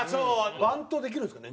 バントできるんですかね？